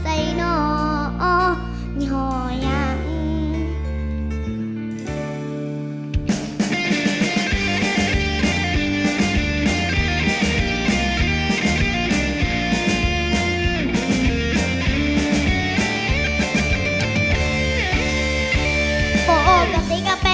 ริมตีที่๒